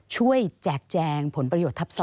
ช่วยแจกแจงผลประโยชน์ทับซ้อน